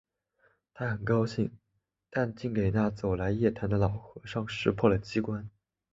他很高兴；但竟给那走来夜谈的老和尚识破了机关